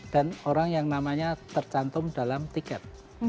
dan orang yang namanya tercantum dalam tiket